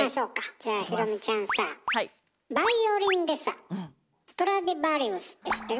じゃあ裕美ちゃんさぁバイオリンでさストラディヴァリウスって知ってる？